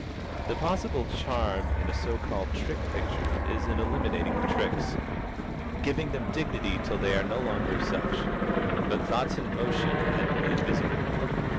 The possible charm in a so called trick picture is in eliminating the tricks, giving them dignity till they are no longer such, but thoughts in motion and made visible.